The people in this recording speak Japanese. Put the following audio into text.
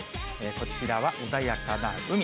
こちらは穏やかな海。